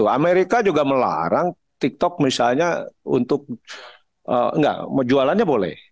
amerika juga melarang tiktok misalnya untuk enggak jualannya boleh